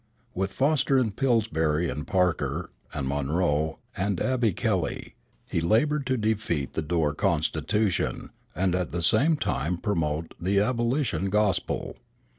With Foster and Pillsbury and Parker and Monroe and Abby Kelly [Kelley] he labored to defeat the Dorr constitution and at the same time promote the abolition gospel.